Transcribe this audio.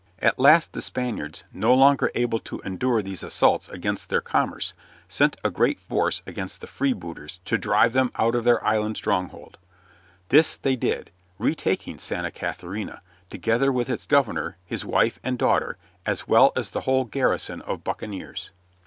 At last the Spaniards, no longer able to endure these assaults against their commerce, sent a great force against the freebooters to drive them out of their island stronghold. This they did, retaking Santa Catharina, together with its governor, his wife, and daughter, as well as the whole garrison of buccaneers.